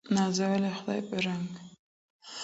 نازولی خدای په رنګ